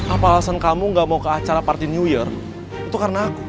apalagasan kamu gak mau ke acara party new year itu karena aku